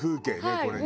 これね。